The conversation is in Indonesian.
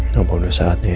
gak perlu saat nih